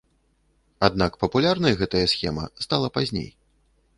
Аднак папулярнай гэтая схема стала пазней.